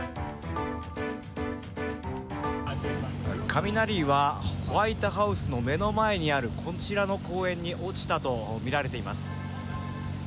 雷はホワイトハウスの目の前にあるこちらの公園に落ちたとみられています。